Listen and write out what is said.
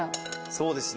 そうですね。